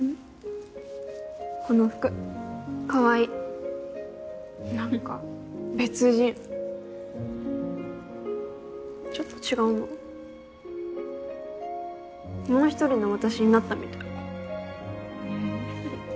この服かわいい何か別人ちょっと違うなもう一人の私になったみたいええ？